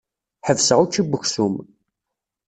Ḥebseɣ ucci n weksum.